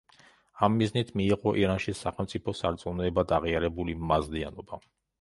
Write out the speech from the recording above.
ამ მიზნით მიიღო ირანში სახელმწიფო სარწმუნოებად აღიარებული მაზდეანობა.